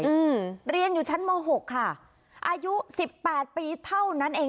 อืมเรียนอยู่ชั้นมหกค่ะอายุสิบแปดปีเท่านั้นเอง